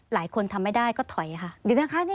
หลายคนทำไม่ได้ก็ถอยค่ะ